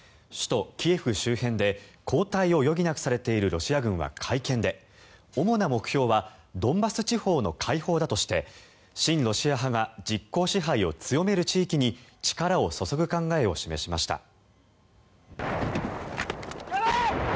首都キエフ周辺で後退を余儀なくされているロシア軍は会見で主な目標はドンバス地方の解放だとして親ロシア派が実効支配を強める地域に力を注ぐ考えを示しました。